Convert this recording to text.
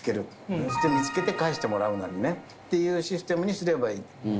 そうして見つけて返してもらうなりね、システムにすればいい。